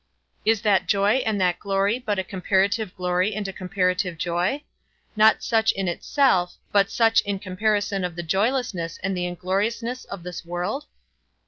Is that joy and that glory but a comparative glory and a comparative joy? not such in itself, but such in comparison of the joylessness and the ingloriousness of this world?